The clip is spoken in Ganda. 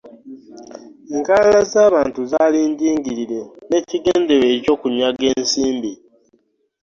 Enkalala z'abantu zaali njingirire n'ekigendererwa eky'okunyaga ensimbi.